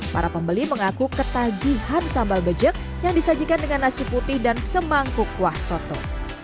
para pembeli mengaku ketagihan sambal bejek yang disajikan dengan nasi putih dan semangkuk kuah soto